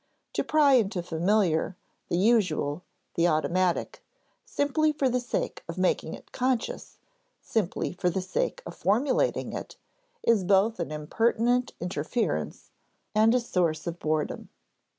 To pry into the familiar, the usual, the automatic, simply for the sake of making it conscious, simply for the sake of formulating it, is both an impertinent interference, and a source of boredom.